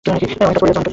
অনেক কাজ পড়ে আছে।